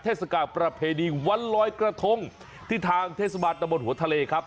เทศกาลประเพณีวันลอยกระทงที่ทางเทศบาลตะบนหัวทะเลครับ